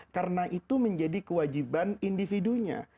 karena itu menjadi kewajiban individunya